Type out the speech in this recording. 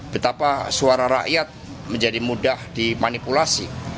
betapa suara rakyat menjadi mudah dimanipulasi